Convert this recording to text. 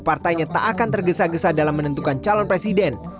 partainya tak akan tergesa gesa dalam menentukan calon presiden